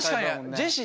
ジェシー